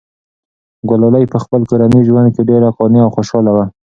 ګلالۍ په خپل کورني ژوند کې ډېره قانع او خوشحاله وه.